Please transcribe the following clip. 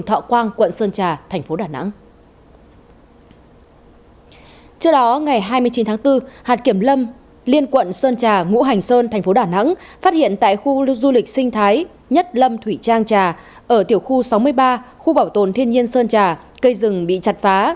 trước đó ngày hai mươi chín tháng bốn hạt kiểm lâm liên quận sơn trà ngũ hành sơn thành phố đà nẵng phát hiện tại khu lưu lịch sinh thái nhất lâm thủy trang trà ở tiểu khu sáu mươi ba khu bảo tồn thiên nhiên sơn trà cây rừng bị chặt phá